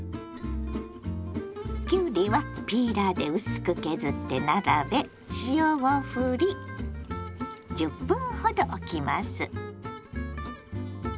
きゅうりはピーラーで薄く削って並べ塩をふり１０分ほどおきます。